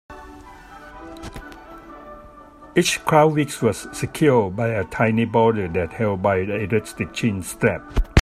Each clown's wig was secured by a tiny bowler hat held by an elastic chin-strap.